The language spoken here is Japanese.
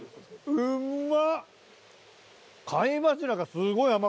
うんまっ！